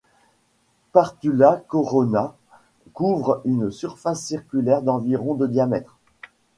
Partula Corona couvre une surface circulaire d'environ de diamètre.